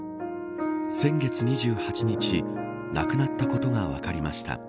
先月２８日亡くなったことが分かりました。